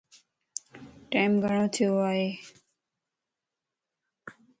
ٽيم گھڙو ٿيو ائي.